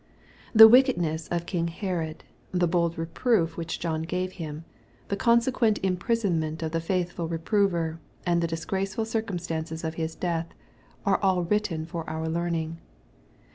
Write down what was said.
The wickedness of king Herod, the bold reproof which John gave him, the consequent imprisonment of the faithful reprover, and the disgraceful circumstances of his death, are all written for our learning.